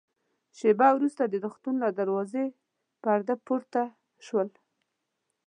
شېبه وروسته د روغتون له دروازې پرده پورته شول.